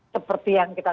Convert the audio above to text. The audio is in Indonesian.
seperti yang kita